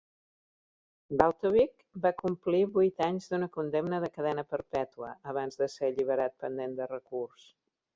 Baltovich va complir vuit anys d'una condemna de cadena perpètua, abans de ser alliberat pendent de recurs.